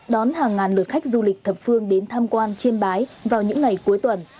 đón hàng ngàn lượt khách du lịch thập phương đến tham quan chiêm bái vào những ngày cuối tuần